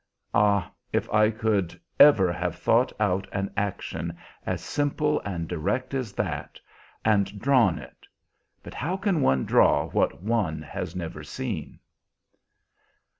Ah, if I could ever have thought out an action as simple and direct as that and drawn it! But how can one draw what one has never seen!"